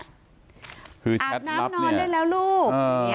อาบน้ำนอนได้แล้วลูก